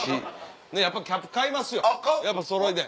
やっぱキャップ買いますよそろいで。